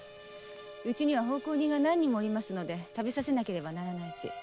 うちには奉公人が何人もおりますので食べさせなければならないし。